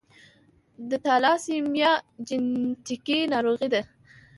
د تالاسیمیا جینیټیکي ناروغي ده.